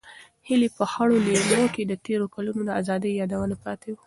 د هیلې په خړو لیمو کې د تېرو کلونو د ازادۍ یادونه پاتې وو.